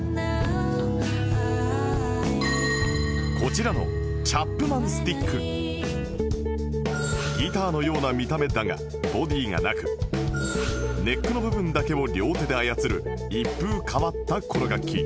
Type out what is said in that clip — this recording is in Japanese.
こちらのギターのような見た目だがボディがなくネックの部分だけを両手で操る一風変わったこの楽器